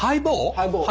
ハイボール。